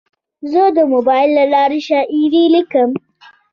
زه د موبایل له لارې شاعري لیکم.